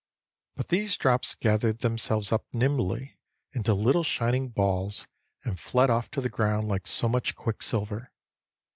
But these drops gathered themselves up nimbly into little shining balls, and fled off to the ground like so much quicksilver.